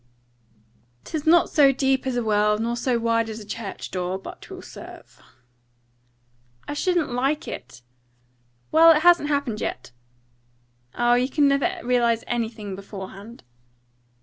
"''Tis not so deep as a well, nor so wide as a church door, but 'twill serve.'" "I shouldn't like it." "Well, it hasn't happened yet." "Ah, you never can realise anything beforehand."